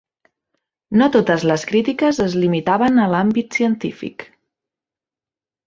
No totes les crítiques es limitaven a l'àmbit científic.